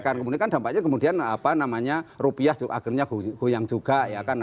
kemudian kan dampaknya kemudian apa namanya rupiah akhirnya goyang juga ya kan